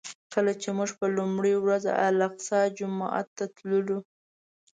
کله چې موږ په لومړي ورځ الاقصی جومات ته تللو.